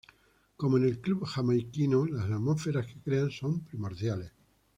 Como en el dub jamaiquino, las atmósferas que crean son primordiales.